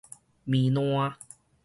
綿爛